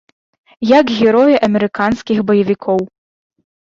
Як героі амерыканскіх баевікоў.